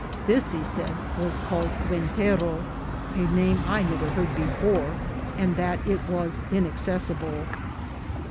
This he said was called Ven tero, a name I never heard before, and that it was in accessible.